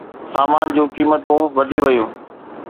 سامان جون قيمتون وڌي ويون